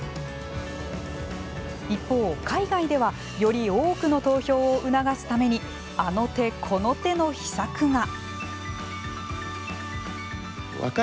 一方、海外ではより多くの投票を促すためにあの手この手の秘策が。